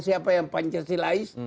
siapa yang pancasilais